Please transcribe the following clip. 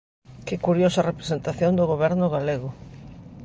¡Que curiosa representación do Goberno galego!